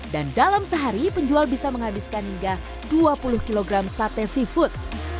dan dalam sehari penjual bisa menghabiskan hingga dua puluh kg sate seafood